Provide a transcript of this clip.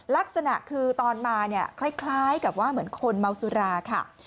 ลักษณะคือตอนมาเนี่ยคล้ายกับว่าเหมือนคนเมาสุราค่ะ